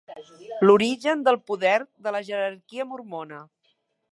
L'origen del poder de la jerarquia mormona.